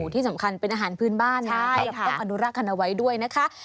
ที่สำคัญเป็นอาหารพื้นบ้านนะครับต้องอนุราคณไว้ด้วยนะคะใช่ค่ะ